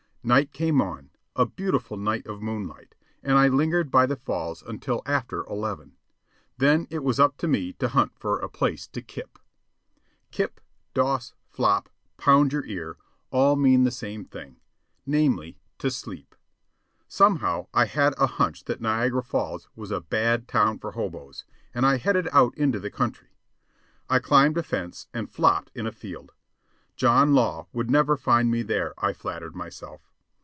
Night came on, a beautiful night of moonlight, and I lingered by the falls until after eleven. Then it was up to me to hunt for a place to "kip." "Kip," "doss," "flop," "pound your ear," all mean the same thing; namely, to sleep. Somehow, I had a "hunch" that Niagara Falls was a "bad" town for hoboes, and I headed out into the country. I climbed a fence and "flopped" in a field. John Law would never find me there, I flattered myself.